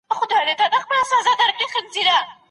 د هغوی مادي او معنوي حقوق بايد وساتل سي.